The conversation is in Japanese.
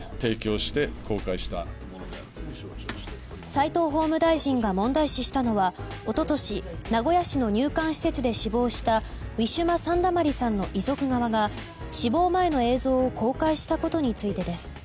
齋藤法務大臣が問題視したのは一昨年名古屋市の入管施設で死亡したウィシュマ・サンダマリさんの遺族側が死亡前の映像を公開したことについてです。